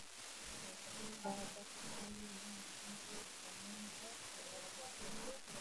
Obutimba obutatuukana na mutindo ku nnyanja byawereddwa.